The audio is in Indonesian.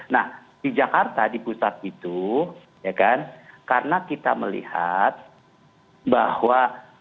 nah di jakarta di pusat itu ya kan karena kita melihat bahwa